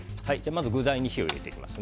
まず、具材に火を入れていきます。